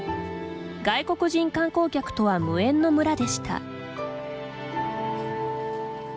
外国人観光客とは無縁の村でした。